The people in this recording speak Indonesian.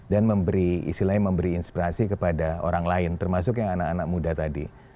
dan memberi istilahnya memberi inspirasi kepada orang lain termasuk yang anak anak muda tadi